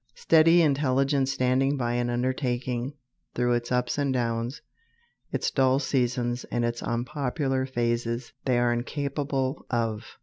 Steady, intelligent standing by an undertaking through its ups and downs, its dull seasons and its unpopular phases, they are incapable of.